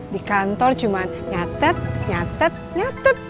di kantor cuma nyatet nyatet nyatet